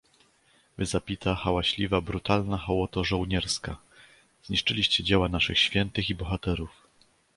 "Wy, zapita, hałaśliwa, brutalna hołoto żołnierska, zniszczyliście dzieła naszych świętych i bohaterów!"